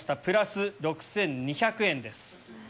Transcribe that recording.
プラス６２００円です。